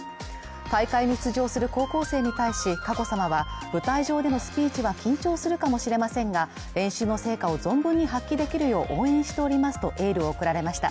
大会に出場する高校生に対し佳子さまは舞台上でのスピーチは緊張するかもしれませんが、練習の成果を存分に発揮できるよう応援しておりますとエールを送られました。